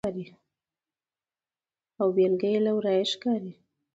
او بیلګه یې له ورایه ښکاري.